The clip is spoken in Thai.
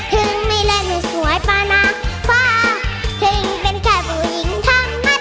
ถึงไม่เล่นหนูสวยปานาฟ้าถึงเป็นแค่ผู้หญิงทั้งนั้น